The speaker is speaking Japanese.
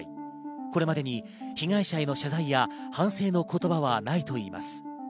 これまでに被害者への謝罪や反省の言葉はないといいます。